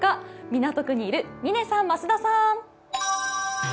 港区にいる嶺さん、増田さん！